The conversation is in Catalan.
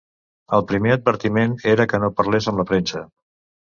El primer advertiment era que no parlés amb la premsa.